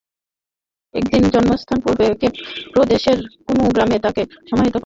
এদিন জন্মস্থান পূর্ব কেপ প্রদেশের কুনু গ্রামে তাঁকে সমাহিত করা হবে।